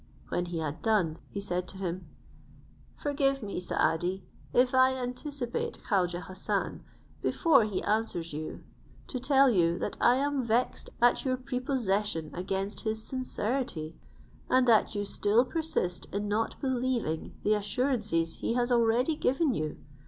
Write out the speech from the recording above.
When he had done, he said to him, "Forgive me, Saadi, if I anticipate Khaujeh Hassan, before he answers you, to tell you, that I am vexed at your prepossession against his sincerity, and that you still persist in not believing the assurances he has already given you.